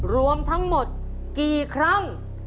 รวมทั้งหมดกี่ครั้ง